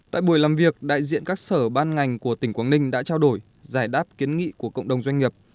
tại buổi làm việc đại diện các sở ban ngành của tỉnh quảng ninh đã trao đổi giải đáp kiến nghị của cộng đồng doanh nghiệp